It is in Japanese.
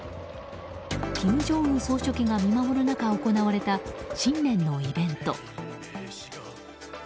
金正恩総書記が見守る中行われた、新年のイベント。